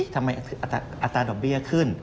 ทำไมอัตราดอกเบี้ยขึ้น